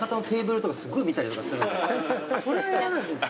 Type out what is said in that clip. それは嫌なんですよ。